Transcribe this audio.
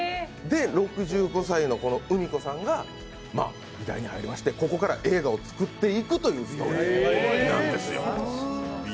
６５歳のうみ子さんが美大に入りましてここから映画を作っていくというストーリーなんです。